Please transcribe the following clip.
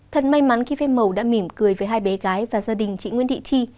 thật may mắn khi phép màu đã mỉm cười với hai bé gái và gia đình chị nguyễn thị chi